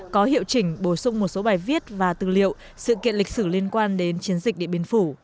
có hiệu chỉnh bổ sung một số bài viết và tư liệu sự kiện lịch sử liên quan đến chiến dịch địa biên phủ